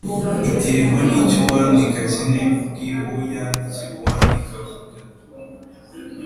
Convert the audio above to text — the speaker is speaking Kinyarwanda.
iterwa n icyo uwandika akeneye kubwira uwo yandikira Uwandika avuga